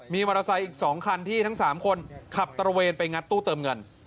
มีมอเตอร์ไซค์อีก๒คันที่ทั้ง๓คนขับตระเวนไปงัดตู้เติมเงิน